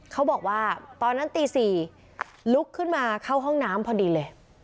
เขาบอกว่าตอนนั้นตี๔ลุกขึ้นมาเข้าห้องน้ำพอดีเลย